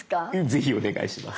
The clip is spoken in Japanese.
ぜひお願いします。